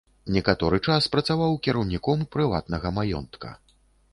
Некаторы час працаваў кіраўніком прыватнага маёнтка.